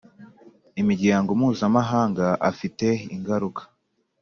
Imiryango mpuzamahanga afite ingaruka